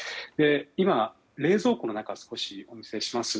今、冷蔵庫の中をお見せします。